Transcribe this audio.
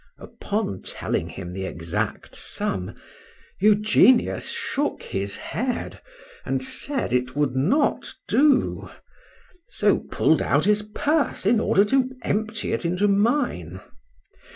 Upon telling him the exact sum, Eugenius shook his head, and said it would not do; so pull'd out his purse in order to empty it into mine.